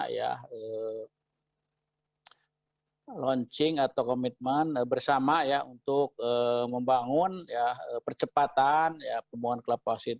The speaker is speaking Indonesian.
ya launching atau komitmen bersama ya untuk membangun ya percepatan ya pembuatan kelabu asid